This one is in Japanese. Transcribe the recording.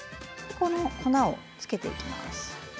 この粉をつけていきます。